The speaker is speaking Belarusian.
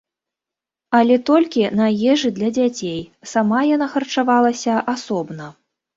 Але толькі на ежы для дзяцей, сама яна харчавалася асобна.